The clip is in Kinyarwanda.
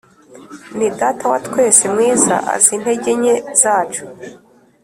nidata watwese mwiza azi integenke zacu